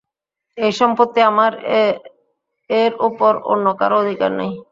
এই সম্পত্তি আমার এর ওপর অন্য কারো অধিকার নেই।